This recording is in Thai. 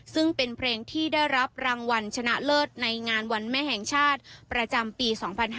ซึ่งเป็นเพลงที่ได้รับรางวัลชนะเลิศในงานวันแม่แห่งชาติประจำปี๒๕๕๙